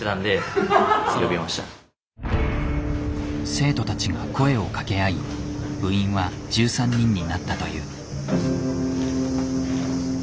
生徒たちが声をかけ合い部員は１３人になったという。